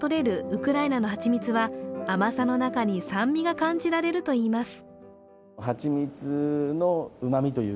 ウクライナの蜂蜜は甘さの中に酸味が感じられるといいます。